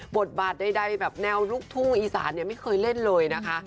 บทบาทใดแบบแนวลูกทุ่งอีสานเนี่ยไม่เคยเล่นเลยนะคะ